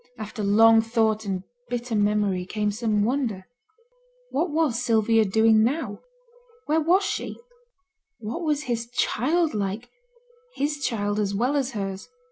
After long thought and bitter memory came some wonder. What was Sylvia doing now? Where was she? What was his child like his child as well as hers?